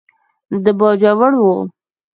د باجوړ و.